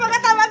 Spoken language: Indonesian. ya yuk nyhameth